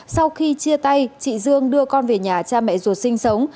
sau khi chia tay chị dương đưa con về nhà cha mẹ ruột sinh sống